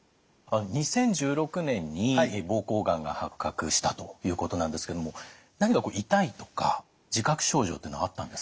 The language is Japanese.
２０１６年に膀胱がんが発覚したということなんですけども何か痛いとか自覚症状っていうのはあったんですか？